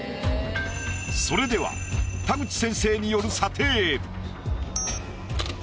それでは田口先生による。